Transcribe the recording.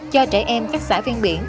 cho trẻ em các xã ven biển